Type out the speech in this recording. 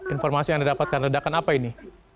informasi yang didapatkan ledakan apa ini